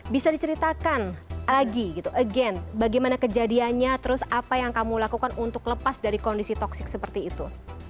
bisa diceritakan lagi gitu again bagaimana kejadiannya terus apa yang kamu lakukan untuk lepas dari kondisi toxic seperti itu